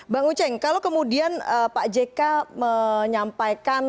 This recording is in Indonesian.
bang uceng kalau kemudian pak jk menyampaikan